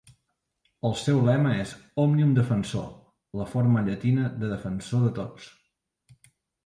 El seu lema és "Omnium Defensor", la forma llatina de "Defensor de tots".